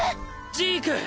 ジーク！